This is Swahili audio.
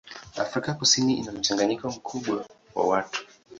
Afrika Kusini ina mchanganyiko mkubwa wa watu.